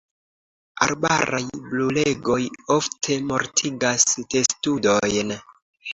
Arbaraj brulegoj ofte mortigas testudojn.